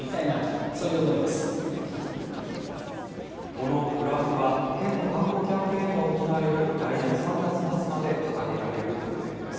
このフラフは県の観光キャンペーンが行われる来年３月末まで掲げられる予定です。